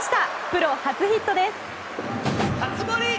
プロ初ヒットです！